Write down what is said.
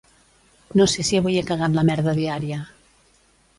No sé si avui he cagat la merda diària.